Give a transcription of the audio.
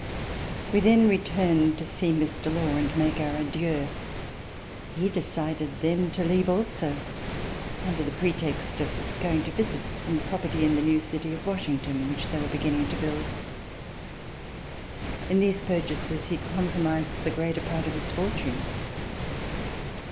We then returned to see Mr. Law and make our adieux. He decided then to leave also, under the pretext of going to visit some property in the new city of Washington, which they were beginning to build. In these purchases he compromised the greater part of his fortune.